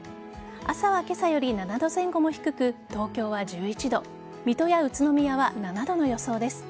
朝は今朝より７度前後も低く東京は１１度水戸や宇都宮は７度の予想です。